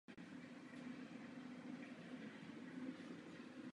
Všechny skladby jsou opravdu krátké.